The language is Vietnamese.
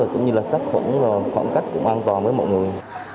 cũng như là sát khuẩn khoảng cách cũng an toàn với mọi người